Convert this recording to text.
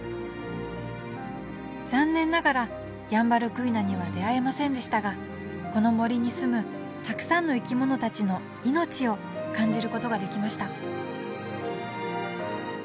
残念ながらヤンバルクイナには出会えませんでしたがこの森に住むたくさんの生き物たちの命を感じることができました